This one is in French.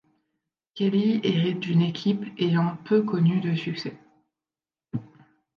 Kelly hérite d'une équipe ayant peu connu de succès.